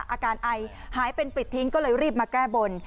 อาการไอหายเป็นปริดทิ้งก็เลยรีบมาแก้บน